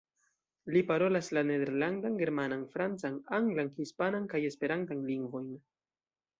Li parolas la Nederlandan, Germanan, Francan, Anglan, Hispanan, kaj Esperantan lingvojn.